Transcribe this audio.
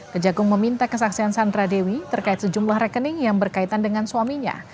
kejagung meminta kesaksian sandra dewi terkait sejumlah rekening yang berkaitan dengan suaminya